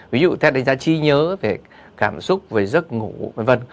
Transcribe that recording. ví dụ theo đánh giá trí nhớ về cảm xúc về giấc ngủ v v